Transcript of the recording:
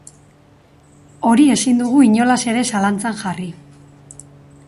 Hori ezin dugu inolaz ere zalantzan jarri.